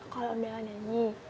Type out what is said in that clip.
kalau undangan nyanyi